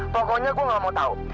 pokoknya gue gak mau tahu